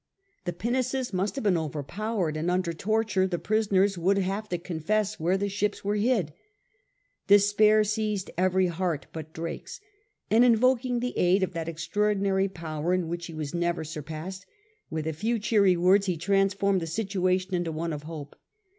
The pinnaces must have been overpowered, and under torture the prisoners would have to confess where the ships were hid. Despair seized every heart but Drake's, and invoking the aid of that extraordinary power in which he was never sur {jassed, with a few cheery words he transformed the situation into one of hope.